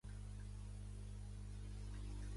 Celestí Prieto Rodríguez és un ciclista nascut a Barcelona.